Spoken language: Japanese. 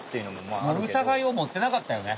うたがいをもってなかったよね。